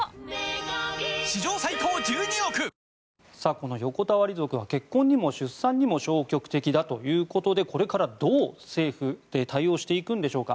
この横たわり族は結婚にも出産にも消極的だということでこれからどう政府は対応していくんでしょうか。